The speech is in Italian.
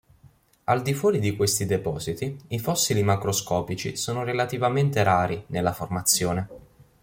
Al di fuori di questi depositi, i fossili macroscopici sono relativamente rari nella formazione.